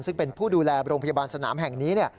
ซึ่งเป็นผู้ดูแลโรงพยาบาลสนามแห่งนี้